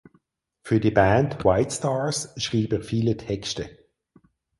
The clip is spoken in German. Für die Band White Stars schrieb er viele Texte.